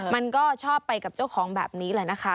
มันก็ชอบไปกับเจ้าของแบบนี้แหละนะคะ